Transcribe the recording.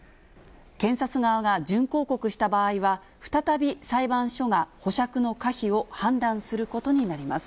検察側が準抗告した場合は、再び裁判所が保釈の可否を判断することになります。